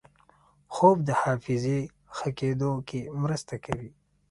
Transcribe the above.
خوب د حافظې ښه کېدو کې مرسته کوي